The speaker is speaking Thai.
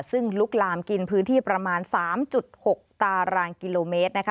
ซึ่งลุกลามกินพื้นที่ประมาณ๓๖ตารางกิโลเมตรนะคะ